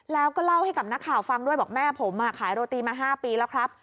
แล้วก็เล่าให้กับนักข่าวฟังด้วยบอกแม่ผมขายโรตีมา๕ปีแล้วครับ